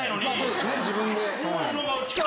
まあそうですね自分で。